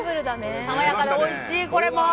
爽やかでおいしい、これも。